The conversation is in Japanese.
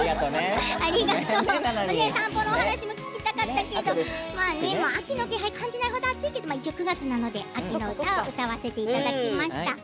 散歩のお話も聞きたかったけれど秋の気配を感じない程暑いけれども９月なので秋の歌を歌わせていただきました。